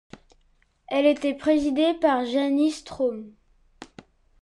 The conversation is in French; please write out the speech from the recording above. Elle était présidée par Jānis Straume.